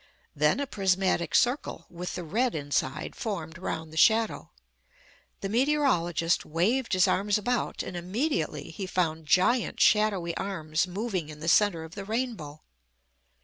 Then a prismatic circle, with the red inside, formed round the shadow. The meteorologist waved his arms about, and immediately he found giant shadowy arms moving in the centre of the rainbow.